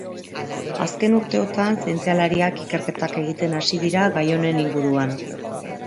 Azken urteotan zientzialariak ikerketak egiten hasi dira gai honen inguruan.